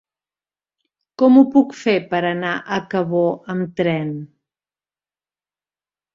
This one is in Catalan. Com ho puc fer per anar a Cabó amb tren?